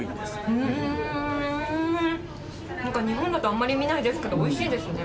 ふーん、なんか日本だとあんまり見ないですけど、おいしいですね。